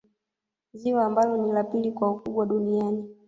Ziwa ambalo ni la pili kwa ukubwa duniani